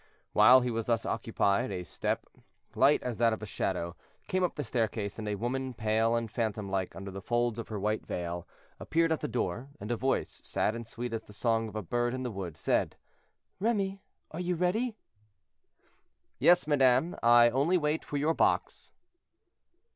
While he was thus occupied, a step, light as that of a shadow, came up the staircase, and a woman, pale and phantom like under the folds of her white veil, appeared at the door, and a voice, sad and sweet as the song of a bird in the wood, said: "Remy, are you ready?" "Yes, madame, I only wait for your box."